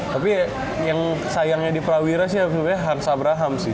tapi yang sayangnya di prawira sih sebenarnya hans abraham sih